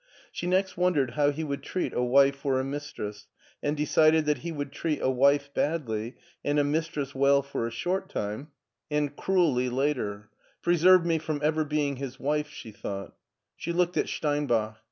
She next wondered how he would treat a wife or a mistress, and decided that he would treat a! wife badly and a mistress well for a short time and 119 120 MARTIN SCHtJLER cruelly later. " Preserve me from ever being his wife," she thought She looked at Steinbach.